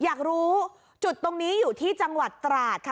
อยากรู้จุดตรงนี้อยู่ที่จังหวัดตราดค่ะ